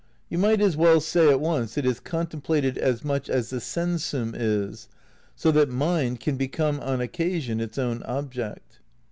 You might as well say at once it is contemplated as much as the sensum is, so that mind can become on occasion its own object.